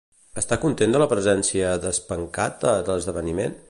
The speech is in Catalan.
Està content per la presència d'Aspencat a l'esdeveniment?